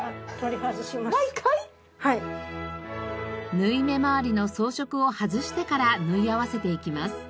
縫い目まわりの装飾を外してから縫い合わせていきます。